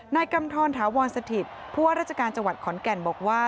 นายกำธรถาวรสถิตผู้ว่าราชการจังหวัดขอนแก่นบอกว่า